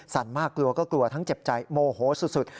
มากกลัวก็กลัวทั้งเจ็บใจโมโหสุด